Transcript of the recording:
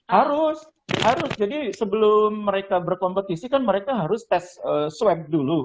harus harus jadi sebelum mereka berkompetisi kan mereka harus tes swab dulu